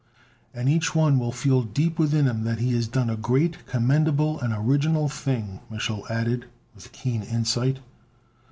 "And each one will feel deep within him that he has done a great, commendable and original thing!" Mich'l added, with keen insight.